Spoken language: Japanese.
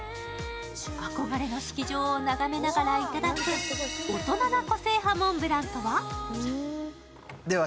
憧れの式場を眺めながらいただく大人の個性派モンブランとは？